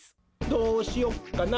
どうしよっかな。